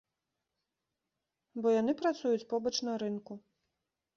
Бо яны працуюць побач на рынку.